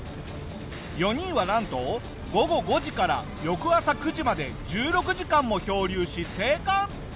４人はなんと午後５時から翌朝９時まで１６時間も漂流し生還！